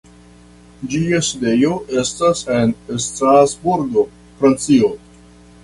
Ĝia sidejo estas en Strasburgo, Francio.